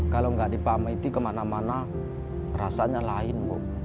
kalau nggak dipamit kemana mana rasanya lain